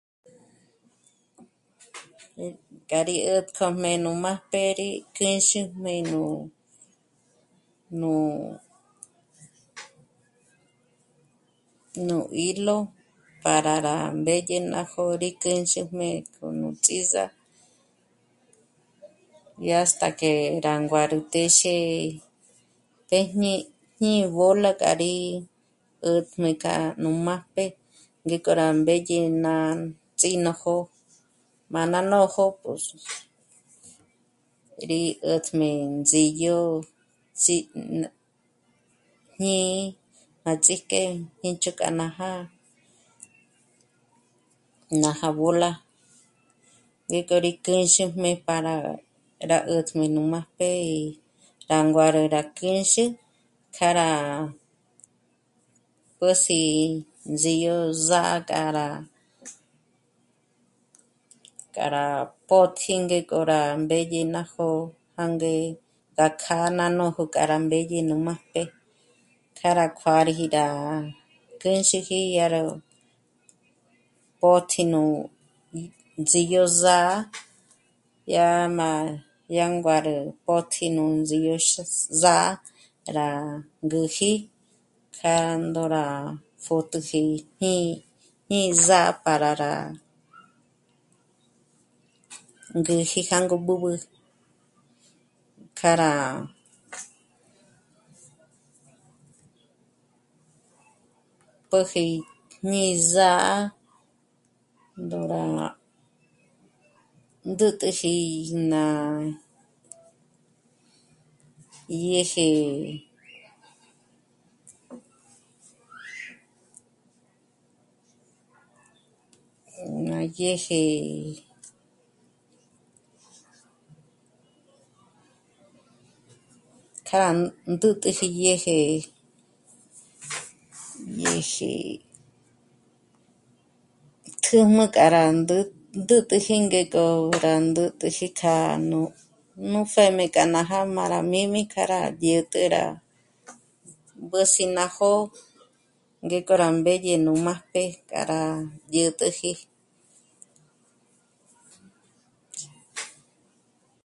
K'a rí 'ä̀tkojmé nú májp'e rí kjèzhejmé nú..., nú..., nú hilo para rá mbédye ná jó'o rí kéndzhejmé k'o nú ts'ízà'a yá hasta que rá nguârü téxe téjñi ní bola k'a rí 'ä̀tjmé k'a nú májp'e ngék'o rá mbédye ná ts'ínójo má ná nójo pǘs..., rí 'ä̀tjmé ndzídyo sí..., jñí'i má ts'íjk'e jíncho k'a ná nája, nája bola, ngék'o rí kéndzhejmé para rá, 'ä̀tjmé nú májp'e í rá nguârü rá kjéndzhe kjâ'a rá pǘs'i ndzídyo zà'a k'a, k'a rá pó'tji ngék'o rá mbédye ná jó'o jânge rá kjâ'a ná nójo k'a rá mbédye nú májp'e, k'a rá kjuârüji rá... kéndzheji yá ró pó'tji nú... ts'ídyo zà'a yá má yá nguârü pó'tji nú ndzíyo xüs... zà'a rá ngǚji kja ndóra pjótoji jñī́'ī, jñī́zà'a para rá ngǚji jângo b'ǚb'ü kjâ'a rá p'ä́ji mí zà'a ndóra ndǚtüji ná dyéje..., má dyéje kjâ'a ndǚtüji dyéje, dyéje kjǘjm'ü k'a rá ndǚtüji ngék'o rá ndǚtüji kja nú pjém'e k'a ná já'a má rá míjmi k'a rá dyä̀t'ä rá mbǚs'i ná jó'o, ngék'o rá mbédye nú májp'e k'a rá dyä̀t'äji